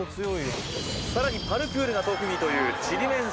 さらにパルクールが特技というちりめん